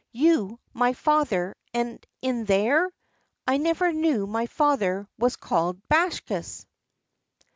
You my father; and in there! I never knew my father was called Bakshas!"